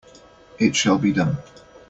It shall be done!